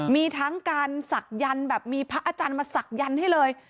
มีทั้งการศักยันต์แบบมีพระอาจารย์มาศักยันต์ให้เลย